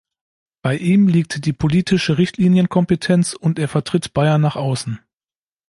Bei ihm liegt die politische Richtlinienkompetenz und er vertritt Bayern nach außen.